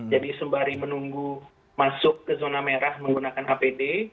jadi sembari menunggu masuk ke zona merah menggunakan apd